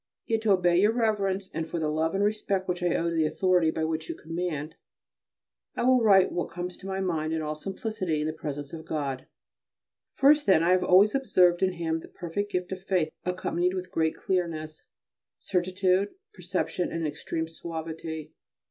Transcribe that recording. Yet to obey your Reverence and for the love and respect which I owe to the authority by which you command, I will write what comes to my mind in all simplicity, in the presence of God. First, then, I have always observed in him the perfect gift of faith accompanied with great clearness, certitude, perception, and extreme suavity.